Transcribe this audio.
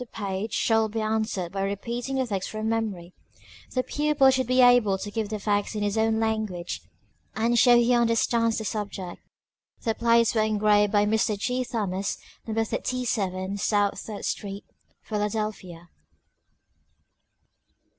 the page shall be answered by repeating the text from memory; the pupil should be able to give the facts in his own language, and show he understands the subject. The Plates were engraved by Mr. G. Thomas, No. 37 South Third Street, Philadelphia.